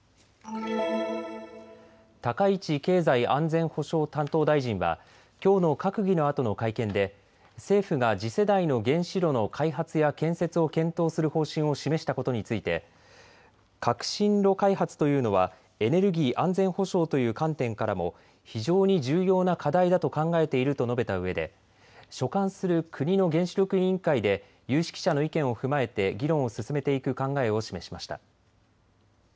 高市経済安全保障担当大臣はきょうの閣議のあとの会見で政府が次世代の原子炉の開発や建設を検討する方針を示したことについて革新炉開発というのはエネルギー安全保障という観点からも非常に重要な課題だと考えていると述べたうえで所管する国の原子力委員会で有識者の意見を踏まえて議論を進めていく考えを示しました。